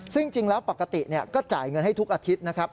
ซึ่งจริงแล้วปกติก็จ่ายเงินให้ทุกอาทิตย์นะครับ